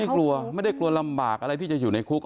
กลัวไม่ได้กลัวลำบากอะไรที่จะอยู่ในคุก